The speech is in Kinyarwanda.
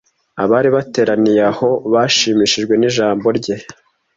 Abari bateraniye aho bashimishijwe nijambo rye.